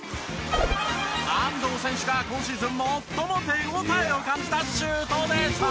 安藤選手が今シーズン最も手ごたえを感じたシュートでした。